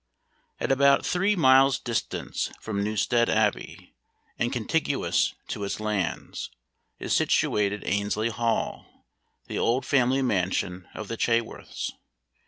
At about three miles' distance from Newstead Abbey, and contiguous to its lands, is situated Annesley Hall, the old family mansion of the Chaworths.